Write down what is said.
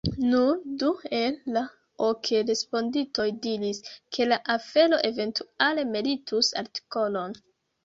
Nur du el la ok respondintoj diris, ke la afero eventuale meritus artikolon.